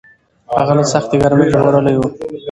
هغه له سختې ګرمۍ ژغورلی و.